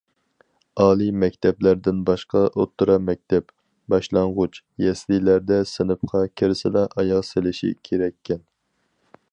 ئالىي مەكتەپلەردىن باشقا ئوتتۇرا مەكتەپ، باشلانغۇچ، يەسلىلەردە سىنىپقا كىرسىلا ئاياغ سېلىشى كېرەككەن.